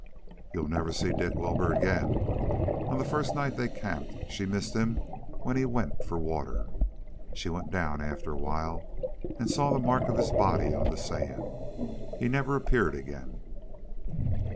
"You'll never see Dick Wilbur again. On the first night they camped she missed him when he went for water. She went down after a while and saw the mark of his body on the sand. He never appeared again."